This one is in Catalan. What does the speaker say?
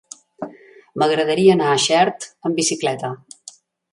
M'agradaria anar a Xert amb bicicleta.